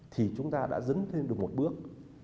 thì chúng ta đã dấn thêm được một bước